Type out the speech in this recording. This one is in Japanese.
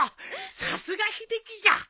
さすが秀樹じゃ！